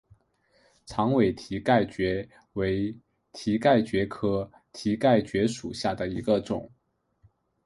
长尾蹄盖蕨为蹄盖蕨科蹄盖蕨属下的一个种。